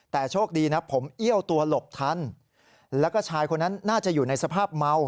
แต่โชคดีนะผมเอี้ยวตัวหลบทันแล้วก็ชายคนนั้นน่าจะอยู่ในสภาพเมา